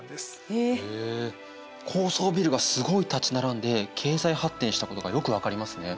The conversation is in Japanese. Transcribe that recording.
へえ高層ビルがすごい立ち並んで経済発展したことがよく分かりますね。